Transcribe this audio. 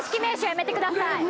やめてください